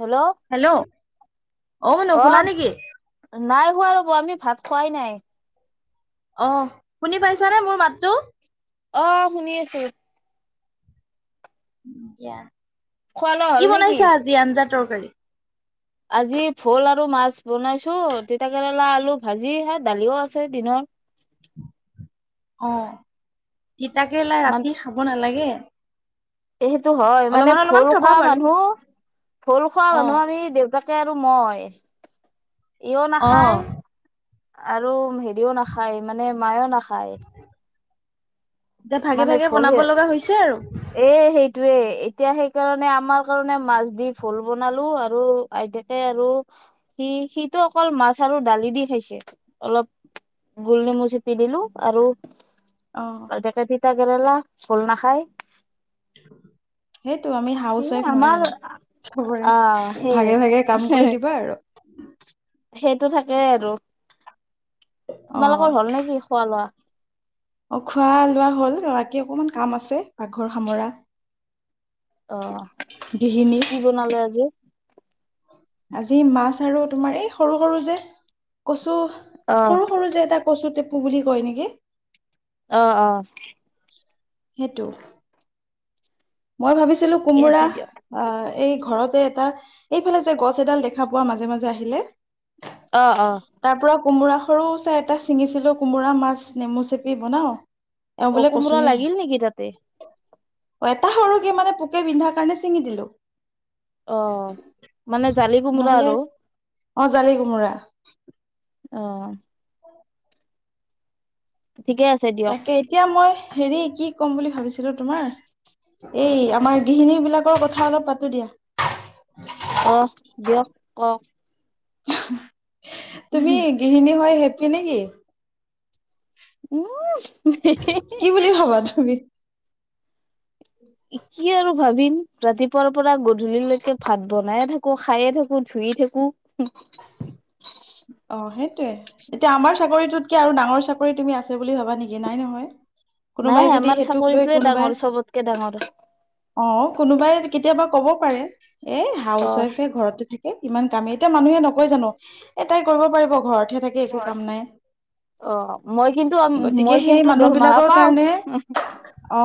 Hello hello. অ', মুনু শুলা নেকি? নাই শুৱা ৰ'ব, আমি ভাত খোৱাই নাই। অহ, শুনি পাইছানে মোৰ মাতটো? অ', শুনি আছোঁ। দিয়া, খোৱা লোৱা কি হ'ল নেকি বনাইছা আজি? আঞ্জা-তৰকাৰী? আজি ভোল আৰু মাছ বনাইছোঁ। তিতা-কেৰেলা, আলু-ভাজি, হে দালিও আছে দিনত অ তিতাকেৰেলাই মান ৰাতি খাব নালাগে এই সেইটো হয় মানে অলপমান অলপমান ভুল খাবা খোৱা বাৰু মানুহ ভুল খোৱা অ মানুহ আমি দেউতাক তয়া আৰু মই ইও অ নাখায় আৰু হেৰিও নাখায় মানে মায়েও নাখায় এতিয়া ভাগে মানে ভাগে ফল বনাব সে লগা হৈছে আৰু এ সেই সেইটোৱে এতিয়া সেইকাৰণে আমাৰ কাৰণে মাছ দি ফল বনালো আৰু আইতাকে আৰু সি সিটো অকল মাছ আৰু দালি দি খাইছে অলপ গোল নেমু চেপি দিলো আৰু অ তাকে তিতা গেৰেলা ভোল নাখাই সেইটো আমি হাউচ ৱাইফ নহয় আমাৰ জানো আহ চবৰে ভাগে সেই ভাগে কাম কৰি দিবা আৰু সেইটো থাকে আৰু অ আপোনালোকৰ হল নে কি খোৱা লোৱা অ খোৱা লোৱা হ'ল বাকী অকমান কাম আছে পাকঘৰ সামৰা অ গৃহিণী কি বনালে আজি আজি মাছ আৰু তোমাৰ এই সৰু সৰু যে কচু অ সৰু সৰু যে এটা কচু টেপু বুলি কয় নেকি আহ আহ সেইটো মই ভাবিছিলো ঠিকে কোমোৰা আছে দিয়ক অ এই ঘৰত এটা এইফালে যে গছ এডাল দেখা পোৱা মাজে মাজে আহিলে অ অ তাৰ পৰা কোমোৰা সৰু চাই এটা ছিঙিছিলো কোমোৰা মাছ নেমু চেপি বনাও এওঁ অ বোলে কোমৰা কচুহে খায় লাগিল নেকি তাতে অ এটা সৰু কি মানে পোকে বিন্ধা কাৰণে চিঙি দিলো অ মানে জালি কোমোৰা নহলে আৰু অ জালি কোমোৰা অ ঠিকে আছে দিয়ক তাকে এতিয়া মই হেৰি কি ক'ম বুলি ভাবিছিলো তোমাৰ এই আমাৰ গৃহিণী বিলাকৰ কথা অলপ পাতো দিয়া আহ দিয়ক ক তুমি গৃহিণী হৈ হেপী নেকি উম কি বুলি ভাবা তুমি কি আৰু ভাবিম ৰাতিপুৱাৰ পৰা গধূলিলৈকে ভাত বনাইে থাকো খায়ে থাকো ধুয়ে থাকো [inaudible] সয়ে এতিয়া আমাৰ চাকৰিটোতকে আৰু ডাঙৰ চাকৰি তুমি আছে বুলি ভবা নেকি নাই নহয় নাই কোনোবাই যদি আমাৰ সেইটোক লৈ চাকৰিটোৱে কোনোবাই ডাঙৰ চবতকে ডাঙৰ অ কোনোবাই কেতিয়াবা ক'ব পাৰে এ অ হাউচ ৱাইফে ঘৰতে থাকে ইমান কামেই এতিয়া মানুহে নকয় জানো এটাই কৰিব পাৰিব ঘৰতহে থাকে একো কাম নাই অ মই কিন্তু মই গতিকে সেই কিন্তু মানুহ দৰমাহা বিলাকৰ পাও কাৰণে অ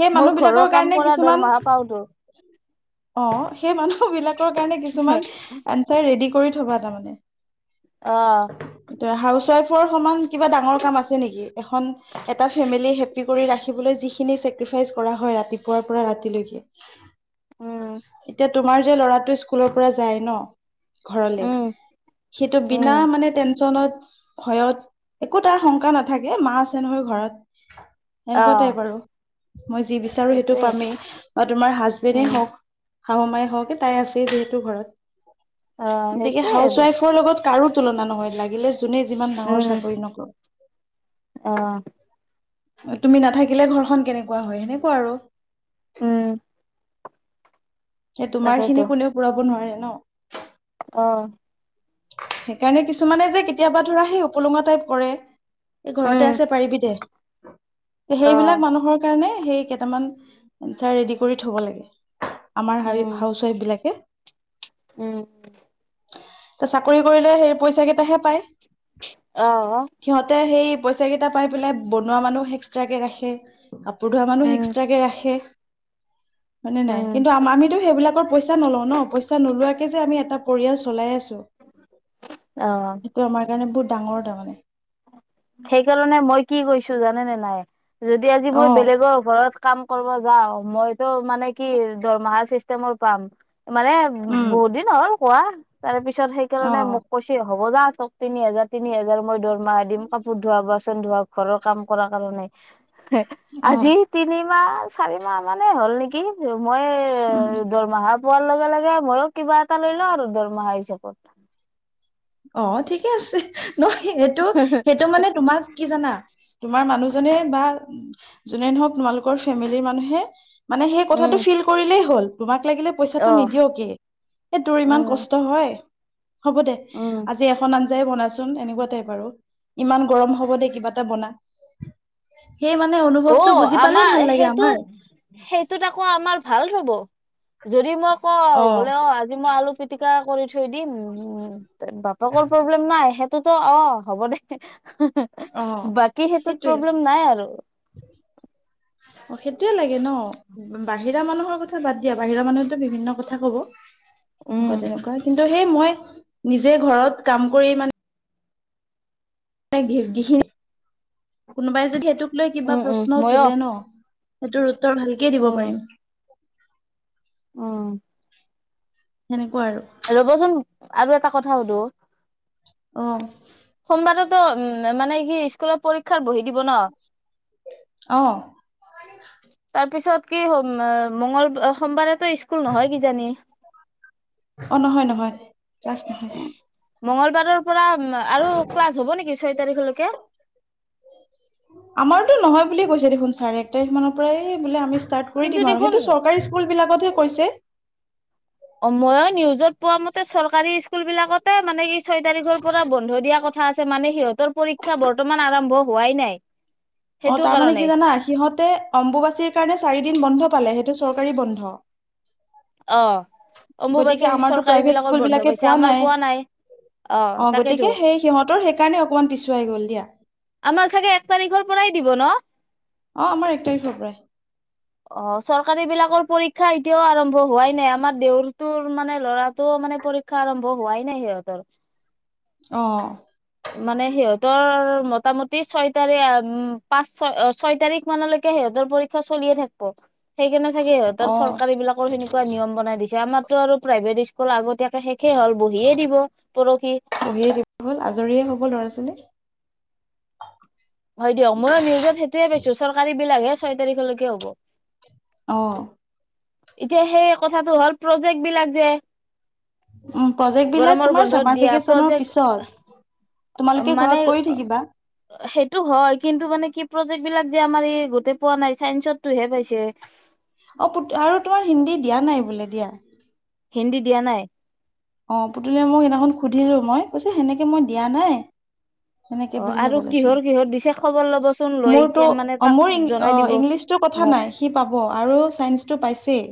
সেই মই মানুহ ঘৰৰ বিলাকৰ কাম কাৰণে কৰা কিছুমান দৰমাহা পাওতো অ সেই মানুহ বিলাকৰ কাৰণে কিছুমান আনচাৰ ৰেডি কৰি থবা তাৰমানে আহ হাউচৱাইফৰ সম কিবা ডাঙৰ কাম আছে নেকি এখন এটা ফেম হ ৰা যিখিনি চেক্ৰিফাইচ কৰা হয় ৰাতিপুৱাৰ পৰা ৰাতিলৈকে উম এতিয়া তোমাৰ যে ল'ৰাটো স্কুলৰ পৰা যায় ন ঘৰলে উম সেইটো উম বিনা মানে টেনচনত ভয়ত একো তাৰ শংকা নাথাকে মা আছে নহয় ঘৰত অ সেনেকুৱা টাইপ আৰু মই যি বিচাৰো সেইটো সেইটোৱে পামেই বা তোমাৰ হাজবেণ্ডেই উম হওক শাহু মাই হওঁকে তাই আছে যিহেতু ঘৰত অ গতিকে সেইটোৱে হাউচ আৰু আৰু ৱাইফৰ লগত কাৰো তুলনা নহয় লাগিলে যোনে যিমান ডাঙৰ চাকৰি নকৰো আহ তুমি নাথাকিলে ঘৰখন কেনেকুৱা হয় সেনেকুৱা আৰু উম সেই তোমাৰ খিনি কোনেও পুৰাব নোৱাৰে ন আহ সেইকাৰণে কিছুমানে যে কেতিয়াবা ধৰা সেই উপলুঙা টাইপ কৰে এই উম ঘৰতে আছে পাৰিবি দে অ সেইবিলাক মানুহৰ কাৰণে সেই কেইটামান চাৰ ৰেডি কৰি থব লাগে আমাৰ হ উম হাউচ ৱাইফ বিলাকে উম চাকৰি কৰিলে সেই পইচা কেইটাহে পায় অ অ সিহঁতে সেই পইচা কেইটা পাই পেলাই বনোৱা মানুহ এক্সট্ৰাক কেে ৰাখে কাপোৰ ধোৱা মানুহ উম, এক্সট্ৰাক কে ৰাখে হয়ানে নাই উম, কিন্তু আমিতো সেইবিলাকৰ পইচা নলও ন পইচা নোলোৱাকে যে আমি এটা পৰিয়াল চলাই আছো অ', সেইটো আমাৰ কাৰণে বহুত ডাঙৰ তাৰমানে সেইকাৰণে মই কি কৈছো জানেনেে নাই যদি আজি অ মই বেলেগৰ ওৰত কাম কৰিব যাওঁ মইতো মানে কি দৰমহা চিষ্টেমৰ পাম মানে উম বহুত দিন হ'ল কোৱা তাৰ পিছত অ সেইকাৰণে মোক কৈছে হ'ব যাহক তিনি হাজাৰ তিনি হোজাৰ মই দৰমাহা দিম কাপোৰ ধোৱা ধ ঘৰৰ কাম কৰ কাৰণে অ আজি তিনিমাহ চাৰি মাহ মানে হ'ল নেকি মই এ উম দৰমাহা বৰ লগা লগে ময়ো কিবা এটা লৈ লওঁ আৰু দৰমহা হিচাপত অ ঠিকে আছে ন সেইটো সেইটো মানে তোমাক কি জানা তোমাৰ মানুহ জনে বা যোনে নক তোমালোকৰ ফেমিলিৰ মানুহে মানে সেই উম, কথাটো ফিল কৰিলেই হ'ল তোমাক লাগিলে পইচাটো অ', নিদিয়কে এই তোৰ ইমান উম, কষ্ট হয় হ'ব দে উম। আজি এখন আঞ্জাই বনাইচোন এনেকুৱা টাইপ আৰু ইমান গৰম হ'ব দেেই কিবা এটা বনা সেই মানে অ অনুভৱটো বুজি পালেই ভাল আমাৰ লাগে সেইটো আমাৰ সেইটোত আকৌ আমাৰ ভাল ৰব যদি মই ক বোলে অ আজি মই আলু পিটিকা কৰি থৈ দিম উ বাপেকৰ প্ৰব্লেম নাই সেইটোতো অ হ'ব দে অ বাকী সেইটোত সেইটোৱে প্ৰব্লেম নাই আৰু অ সেইটোয়ে লাগে ন বাহিৰা মানুহৰ কথা বাদ দিয়া বাহিৰা মানুহো বিভিন্ন কথা কব উম তেনেকুৱা কিন্তু সেই মই নিজে ঘৰত কাম কৰি মানে ঘহি কোনোবাই যদি সেইটোক লৈ কিবা উম উম প্ৰশ্ন মইয়ো তোলে ন সেইটোৰ উত্তৰ ভালকেই দিব পাৰিম আহ সেনেকে ৰবচোন আৰু এটা কথা সুধো অ সোমবাৰেতো উম মানে কি স্কুলত পৰীক্ষাৰ বহি দিব ন আহ তাৰ পিছত কিম মংগল সোমবাৰেতো স্কুল নহয় কিজানি অ নহয় নহয় চাছ নহয় সোমবাৰৰ পৰা আৰু ক্লাছ হ'ব নেকি ছয় তাৰিখলৈকে? আমাৰতো নহয় বুলিয়ে কৈছে দেখোন ছাৰে এক তাৰিখ মানৰ পৰাই বোলে আমি ষ্টেটাছ কৰি কিন্তু দিম আৰু সেইটো দেখোন চৰকাৰী স্কুল বিলাকতে কৈছে। অ ময়ো নিউজত পোৱা মতে চৰকাৰী স্কুল বিলাকতে মানে কি ছয় তাৰিখৰ পৰা বন্ধ দিয়া কথা আছে মানে সিহঁতৰ পৰীক্ষা বৰ্তমান আৰম্ভ হোৱাই নাই। অ সেইটো তাৰমানানে কাৰণে কি জানা, সিহঁতে অম্বুবাচীৰ কাৰণে চাৰি দিন বন্ধ পালে। সেই টো চৰকাৰী বন্ধ। অ গতিকে অম্বুবাচীৰ আমাৰতো চৰকাৰী প্ৰাইভেট বিলাকৰ স্কুল বন্ধ বিলাকে পাইছে আমাৰ পোৱা নাই। অ গতিকে সেই সিহঁতৰ সেইকাৰণে অকমান পিছুৱাই গ'ল দিয়া। আমাৰ ছাগে এক তাৰিখৰ পৰাই দিব ন! অ আমাৰ এক তাৰিখৰ পৰাই। অ চৰকাৰী বিলাকৰ পৰীক্ষা এতিয়াও আৰম্ভ হোৱাই নাই। আমাৰ দেউৰ তোৰ মানে ল'ৰাটো মানে পৰীক্ষা আৰম্ভ হোৱাই নাই সিহঁতৰ। অৱ। মানে সিহঁতৰ মোটামুটি ছয় তাৰিখ পাঁচ ছয় ছয় তাৰিখ মানলৈকে [unintelligible] সিহঁতৰ পৰীক্ষা চলিয়ে থাকিব। সেইকাৰণে চাগে অ সিহঁতৰ চৰকাৰী বিলাকৰ সেনেুৱা নিয়ম বনাই দিছে আমাৰতো আৰু প্ৰাইভেট স্কুল আগতিয়া শেষে হ'ল বহিয়ে দিব, পৰখি। কৰ ল'ৰা আছিলে? হয় দিয়ক। মই নিউজত সেইটোৱে পাইছো চৰকাৰী বিলাক ছয় তাৰিখলৈকে হ'ব। অৱ। এতিয়া সেই কথাটো হ'ল প্ৰজেক্ট বিলাক যে উম প্ৰজেক্ট বিলাক গৰমৰ তোমাৰ বন্ধত চামাৰ দিয়া ভেকেচনৰ প্ৰজেক পিছত তোমালোকে মানে ঘৰত কৰি থাকিবা সেইটো হয়, কিন্তু মানে কি? প্ৰজেক্টবিলাক যে, আমাৰ এই গোটেই পোৱা নাই চাইসৰটোহে পাইছে। অ আৰু তোমাৰ হিন্দী দিয়া নাই বোলে দিয়া। হিন্দী দিয়া নাই? অ', পুতুলিয়ে মোক সেইদিনাখন সুধিলোঁ মই কৈছে সেনেকে মই দিয়া নাই। সেনেকে অ বুলিহে আৰু ক'লেচোন। কিহৰ কিহৰ দিছে খবৰ ল'বচোন লৈ মোৰতো মানে অ', তাক মোৰ জনাই ই-অ', দিব ইংলিছটো ক থা মোক নাই সি পাব, আৰু চাইন্সটো পাইছেই।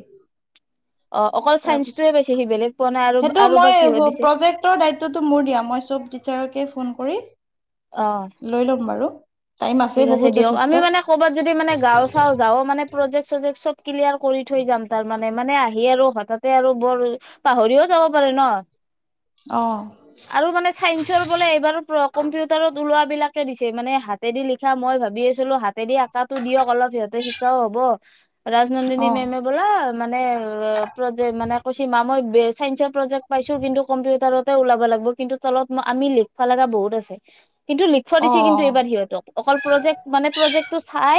অ', অকল চাইন্সয়ে পাইছে সি বেলেগ পোৱা নাই আৰু বা টো, আৰু মই কিহৰ দিছে প-প্ৰজেক্টৰ দায়িত্বটো মোৰ দিয়া, মই চব টিচাৰকে ফোন কৰি অ লৈ লম বাৰু। টাইম ঠিক আছে বহুত দিয়ক, যথেষ্ট আমি মানে কৰ'বাত যদি মানে গাঁও, চাওঁ যাওঁ মানে প্ৰজেক্ট, চজেক্ট চব ক্লিয়াৰ কৰি থৈ যাম তাৰমানে, মানে আহিয়েই আৰু হঠাতে আৰু বৰ পাহৰিও যাব পাৰোঁ ন? অ আৰু মানে চাইন্সৰ বোলে এইবাৰ প্ৰ-কম্পিউটাৰত ওলোৱা বিলাকে দিছে, মানে হাতেদি লিখা মই ভাবি আছিলোঁ হাতেদি আক কাতো দিয়ক অলপ সিহঁতে শিকাও হ'ব, ৰাজনন্দিনী অ মেমে বোলে এ মানে প্ৰজেক্ট মানে কৈছে মা মই বে-চায়েঞ্চৰ প্ৰজেক্ট পাইছোঁ, কিন্তু কম্পিউটাৰতে ওলাব লা ব, কিন্তু তলত আমি লিখব লাগা বহুত আছে, কিন্তু লিখব অ দিছে কিন্তু এইবাৰ সিহঁত অকল প্ৰজেক্ট মানে প্ৰজেক্টো চাই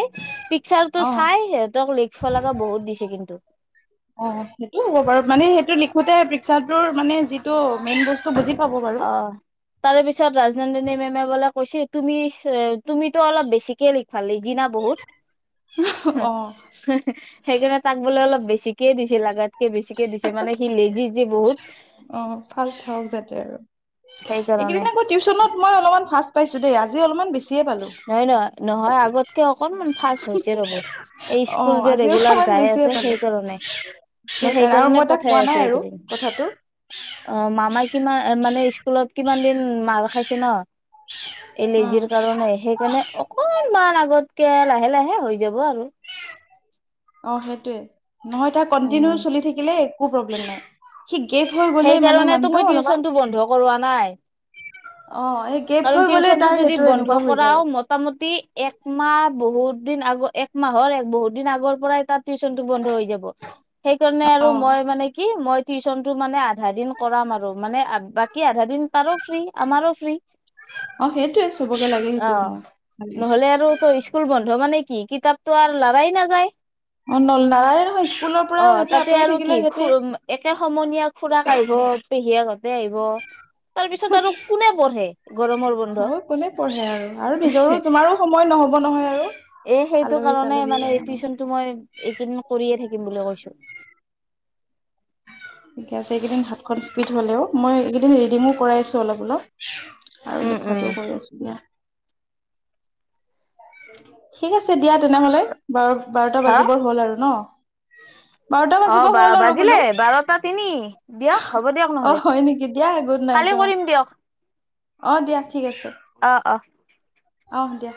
পিকচাৰটো অ চাই সিহঁতক লিখব লগা বহুত দি দিছে কিন্তু। অ', সেইটো হ'ব বাৰু মানে সেইটো লিখোতে পিকচাৰটোৰ মানে যিটো মেইন বস্তু বুজি পাব বাৰু অ', তাৰে পিছত ৰাজনন্দিনী মেমে বোলে কৈছি তুমি এ, তুমিতো অলপ বেছিকে লি ভালে যি না বহুত অ সেইকাৰণে তাক বোলে অলপ বেছি বেছিকে দিছে লাগাতকে বেছিকে দিছে মানে সি লেজি যে বহুত। অ ফাষ্ট হওক যাতে আৰু সেইকাৰণে এইকেইদিন আকৌ টিউচনত মই অলপমান ফাৰ্ষ্ট পাইছো দেই আজি অলপমান বেছি। নহয়, নহয়, নহয় আগতকে অকনমান। ফাছ হৈছে ৰ'ব এই অ স্কুল যে আজি ৰেগুলাৰ অলপমান যাই বেছিয়ে আছে পালো সেইকাৰণে। মই আৰু সেইকাৰণে মই তাক পঠাই কোৱা নাই আছো আৰু এইকেইদিন কথাটো অ, মামা কি মানে স্কুলত কিমান দিন মাৰ খাইছে ন। উম এলেজিৰ কাৰণে সেইকাৰণে অকনমান আগতকে লাহে - লাহে হৈ যাব আৰু। অ, সেইটোৱে নহয় তাক উম কন্টিনিউ চলি থাকিলে একো প্ৰব্লেম নাই। সি গেপ হৈ গ'লেই মানে সেইকাৰণেতো মই মানুহটো অলপমান টিউচনটো বন্ধ কৰোৱা নাই অ এই গেপ কাৰণ হৈ গ'লে টিউচনটো তাৰ যদি সেইটো বন্ধ এনেকুৱা হৈ কৰা যায় মোটামটি এক মাহ বহুত দিন আগৰ এক মাহৰ বহুত দিন আগৰ পৰাই তাত টিচনটো বন্ধ হৈ যাব। সেইকাৰণে অ আৰু মই মানে কি মই টিউশচন টো মানে আধা দিন কৰাম আৰু মানে বাকী আধা দিন তাৰো ফ্ৰী আমাৰো ফ্ৰী। [inaudible] চবকে লাগে অ, সেইটো সময় ভাল হৈছে নহলে আৰু ত স্কুল বন্ধ মানে কি-কি কিতাপতো আৰু লাৰাই নাযায়। অ নল নালাগে নহয় স্কুলৰ পৰা অ, সিহঁতে তাতে আঁতৰি আৰু থাকিলে কি খু সিহঁতে একে সমনীয়া খুৰাক আহিব। পেহীয়েকহতে আহিব তাৰ পিছত আৰু কোনে পঢ়ে। গৰমৰ বন্ধ অ, কোনে পঢ়ে আৰু আৰু নিজৰো তোমাৰো সময় নহব নহয় আৰু। এ সেইটো আলহী কাৰণে চালহী মানে এই কাৰণে। টিউশচনটো মই এইকেইদিন কৰিয়ে থাকিম বুলি কৈছো। ঠিক আছে এইকেইদিন হাতখন স্পিড হ'লেও মই এইকেইদিন ৰিদিঙু কৰাই আছো অলপ-অলপ। উম আৰু উম ভাত বাৰু দিয়া। ঠিক আছে দিয়া তেনেহলে বাৰ-বাৰটা বাজিবৰ হল আৰু ন। বাৰটা অ, বাজিব বাৰ হ'ল আৰু বাজিলে বোলো বাৰটা তিনি দিয়ক হ'ব দিয়ক অ নহ'লে। হয় নেকি দিয়া গুড নাইট কালি অ কৰিম দিয়ক। অ, দিয়া। অ', - অ', অহ, দিয়া।